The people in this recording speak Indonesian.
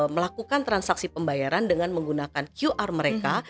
melakukan transaksi pembayaran dengan menggunakan qr mereka